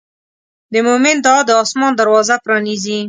د مؤمن دعا د آسمان دروازه پرانیزي.